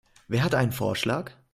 Wer hat einen Vorschlag?